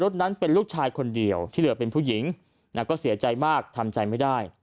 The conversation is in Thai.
ที่เหลือเป็นผู้หญิงเสียใจมากทำใจไม่ได้